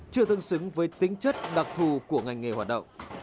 chưa tương xứng với tính chất đặc thù của ngành nghề hoạt động